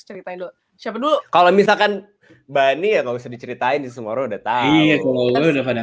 ceritain siapa dulu kalau misalkan bani ya kalau bisa diceritain semua udah tahu kalau udah pada